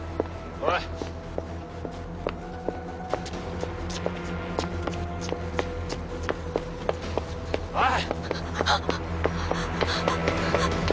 ・おい・・おい！